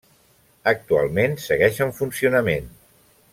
Actualment segueix en funcionament.